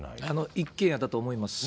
一軒家だと思います。